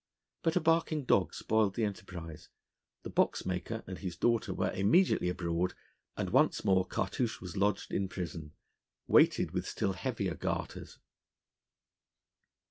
But a barking dog spoiled the enterprise: the boxmaker and his daughter were immediately abroad, and once more Cartouche was lodged in prison, weighted with still heavier garters.